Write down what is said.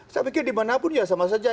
saya pikir dimanapun ya sama saja